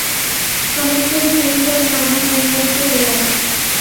সমস্ত দিন এই-সব নানা হাঙ্গামে কেটে গেল।